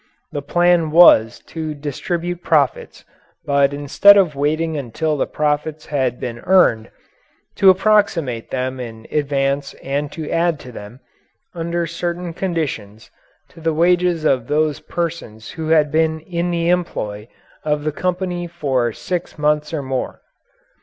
The plan was to distribute profits, but instead of waiting until the profits had been earned to approximate them in advance and to add them, under certain conditions, to the wages of those persons who had been in the employ of the company for six months or more.